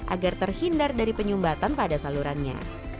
agar terhindar dari penyumbatan pada salurannya